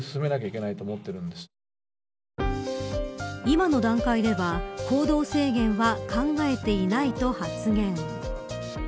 今の段階では行動制限は考えていないと発言。